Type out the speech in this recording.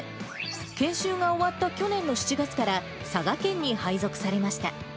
研修が終わった去年の７月から佐賀県に配属されました。